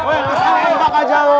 woy kesana empak aja loh